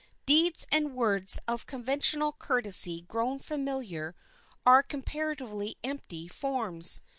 Deeds and words of conventional courtesy grown familiar are comparatively empty forms.